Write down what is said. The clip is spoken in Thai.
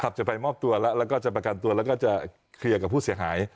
จะไปมอบตัวแล้วแล้วก็จะประกันตัวแล้วก็จะเคลียร์กับผู้เสียหาย